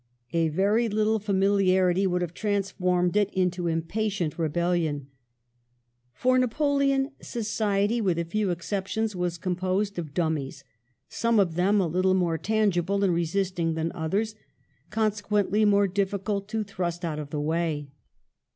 A very little familiarity would have transformed it into impatient rebel lion. For Napoleon society, with a few excep tions, was composed of dummies, some of them a little more tangible and resisting than others, consequently more difficult to thrust out of the way.